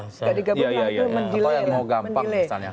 enggak digabung lah itu mendilei